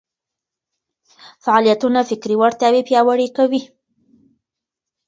فعالیتونه فکري وړتیا پياوړې کوي.